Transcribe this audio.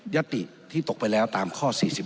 ติที่ตกไปแล้วตามข้อ๔๔